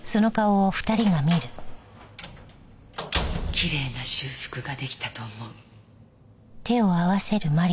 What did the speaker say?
きれいな修復が出来たと思う。